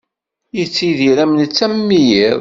Yettidir am netta am wiyiḍ.